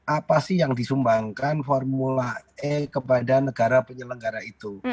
apa sih yang disumbangkan formula e kepada negara penyelenggara itu